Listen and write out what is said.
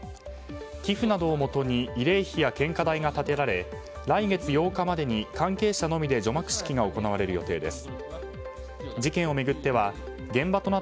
寄付などをもとに慰霊碑や献花台が建てられ来月８日までに関係者のみで除幕式が行われる予定です。